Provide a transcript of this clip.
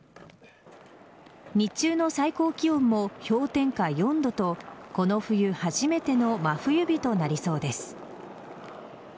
日中の最高気温も氷点下４度とこの冬初めての真冬日となりそうです。